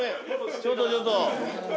ちょっとちょっと。